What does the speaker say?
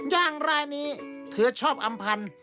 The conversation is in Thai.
อย่างรายนี้เธอชอบอำพันธ์